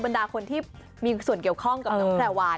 บรรดาคนที่มีภูมิเกี่ยวข้องกับน้องข้าวาน